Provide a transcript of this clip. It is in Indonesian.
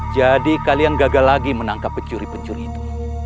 jadi kalian gagal lagi menangkap pencuri pencuri itu